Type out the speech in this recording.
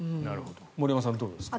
森山さん、どうですか？